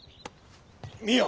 見よ。